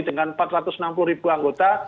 dengan empat ratus enam puluh ribu anggota